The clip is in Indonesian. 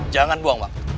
jangan buang waktu